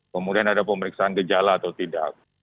kemudian ada pemeriksaan gejala atau tidak